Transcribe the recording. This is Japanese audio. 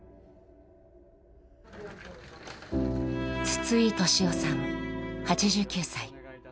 筒井利男さん、８９歳。